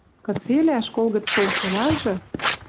Кыцелӓ, школ гӹц толшылажы